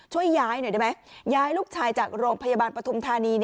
ช่วยย้ายหน่อยได้ไหมย้ายลูกชายจากโรงพยาบาลปฐุมธานี